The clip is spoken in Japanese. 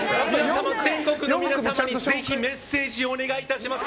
全国の皆様にぜひメッセージをお願いいたします。